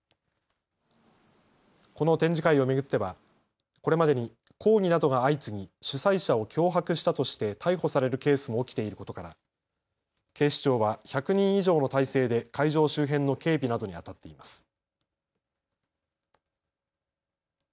この展示会を巡ってはこれまでに抗議などが相次ぎ主催者を脅迫したとして逮捕されるケースも起きていることから警視庁は１００人以上の態勢で会場周辺の警備などにあたっています。